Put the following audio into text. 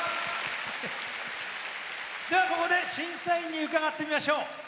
ここで審査員に伺ってみましょう。